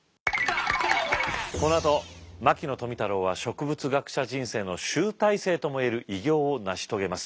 このあと牧野富太郎は植物学者人生の集大成とも言える偉業を成し遂げます。